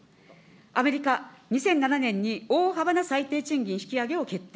アメリカ、２００７年に大幅な最低賃金引き上げを決定。